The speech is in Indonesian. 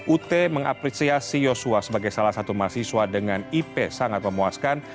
ut mengapresiasi yosua sebagai salah satu mahasiswa dengan ip sangat memuaskan